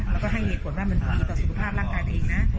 แล้วก็ให้เหตุผลว่ามันผลต่อสุขภาพร่างกายตัวเองนะ